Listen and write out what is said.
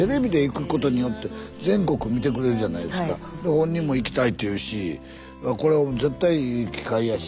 本人も行きたいっていうしこれ絶対いい機会やし。